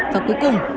và cuối cùng